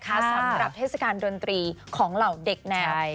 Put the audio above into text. สำหรับเทศกาลดนตรีของเหล่าเด็กแนว